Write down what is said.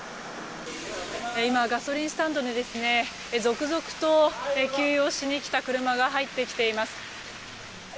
今、ガソリンスタンドに続々と給油をしに来た車が入ってきています。